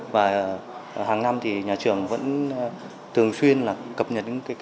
và hàng năm thì nhà trường vẫn thường xuyên là cập nhật những cái kế hoạch